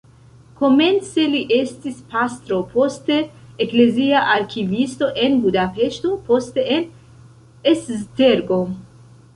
Komence li estis pastro, poste eklezia arkivisto en Budapeŝto, poste en Esztergom.